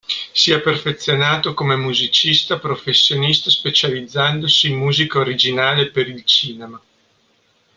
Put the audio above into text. Si è perfezionato come musicista professionista specializzandosi in musica originale per il cinema.